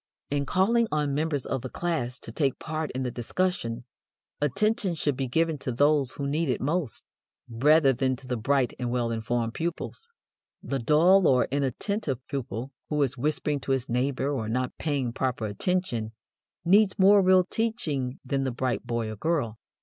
In calling on members of the class to take part in the discussion, attention should be given to those who need it most, rather than to the bright and well informed pupils. The dull or inattentive pupil, who is whispering to his neighbor or not paying proper attention, needs more real teaching than the bright boy or girl.